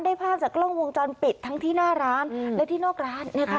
ภาพจากกล้องวงจรปิดทั้งที่หน้าร้านและที่นอกร้านนะคะ